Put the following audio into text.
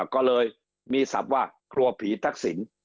ก็เลยมีศัพท์ว่าครัวผีทักษิณ